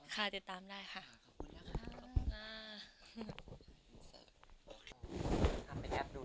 ค่ะติดตามได้เนอะค่ะติดตามได้ค่ะขอบคุณค่ะ